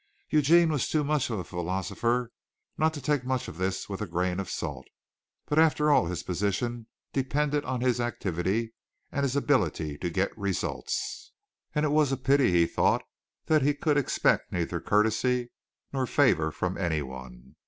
Eugene was too much of a philosopher not to take much of this with a grain of salt, but after all his position depended on his activity and his ability to get results, and it was a pity, he thought, that he could expect neither courtesy nor favor from anyone.